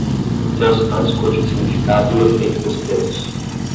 O texto não discute o significado e o efeito dos pesos.